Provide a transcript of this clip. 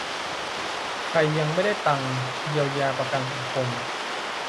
ใครยังไม่ได้ตังค์ เยียวยา ประกันสังคม